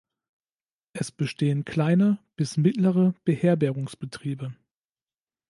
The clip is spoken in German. Es bestehen kleine bis mittlere Beherbergungsbetriebe.